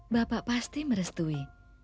bapak pasti merestui